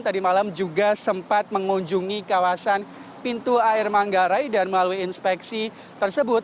tadi malam juga sempat mengunjungi kawasan pintu air manggarai dan melalui inspeksi tersebut